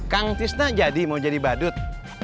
kang tisna jadi mau jadi badut